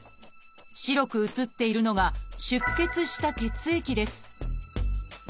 白く写っているのが出血した血液です